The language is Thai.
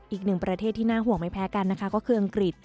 อีกหนึ่งประเทศที่น่าห่วงไม่แพ้กันนะคะก็คืออังกฤษ